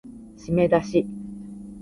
しめだし